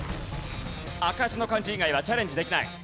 赤字の漢字以外はチャレンジできない。